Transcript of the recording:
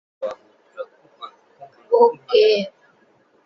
বিএনপির জাতীয় নির্বাহী কমিটির সাবেক সদস্য তিনি।